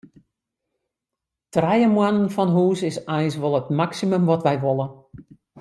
Trije moanne fan hús is eins wol it maksimum wat wy wolle.